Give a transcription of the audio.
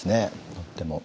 とっても。